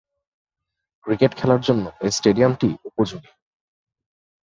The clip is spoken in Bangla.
ক্রিকেট খেলার জন্য এ স্টেডিয়ামটি উপযোগী।